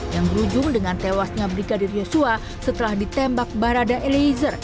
yang berujung dengan tewasnya brigadir yosua setelah ditembak barada eliezer